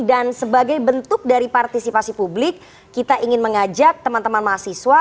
dan sebagai bentuk dari partisipasi publik kita ingin mengajak teman teman mahasiswa